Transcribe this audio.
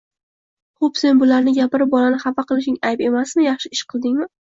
Xo'p, sen bularni gapirib bolani xafa qilishing ayb emasmi? Yaxshi ish qildingmi?